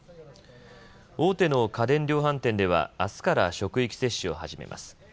大手の家電量販店ではあすから職域接種を始めます。